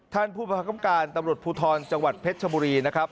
ท่านผู้ประคับการตำรวจภูทรจังหวัดเพชรชบุรีนะครับ